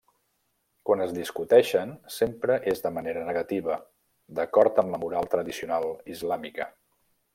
Quan es discuteixen, sempre és de manera negativa, d'acord amb la moral tradicional islàmica.